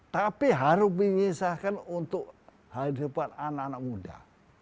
tapi harus diisahkan untuk hidupan anak anak muda